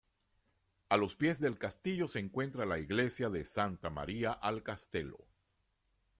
A los pies del castillo se encuentra la Iglesia de Santa Maria al Castello.